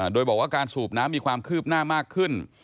โดยบอกว่าการสูบน้ำมีความคืบหน้ามากขึ้น